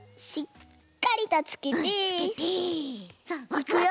いくよ！